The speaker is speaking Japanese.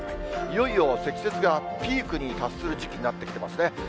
いよいよ積雪がピークに達する時期になってきますね。